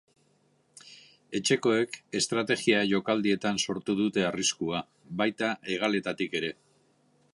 Etxekoek estrategia jokaldietan sortu dute arriskua, baita hegaleetatik ere.